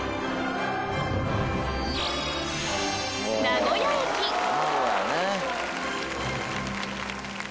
「名古屋ね」